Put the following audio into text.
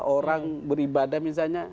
orang beribadah misalnya